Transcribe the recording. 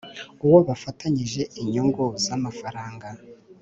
uwo bafitanyije inyungu z amafaranga